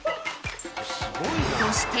［そして］